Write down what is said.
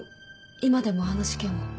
今でもあの事件を。